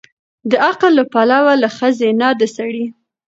د عقل له پلوه له ښځې نه د سړي